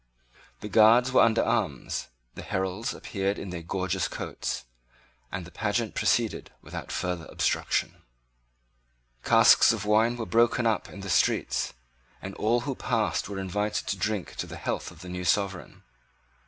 The Guards were under arms; the heralds appeared in their gorgeous coats; and the pageant proceeded without any obstruction. Casks of wine were broken up in the streets, and all who passed were invited to drink to the health of the new sovereign.